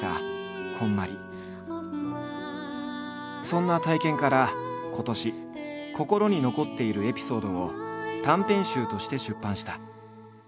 そんな体験から今年心に残っているエピソードを短編集として出版した。